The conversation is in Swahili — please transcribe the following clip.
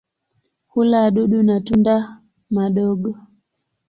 Hula wadudu na tunda madogo.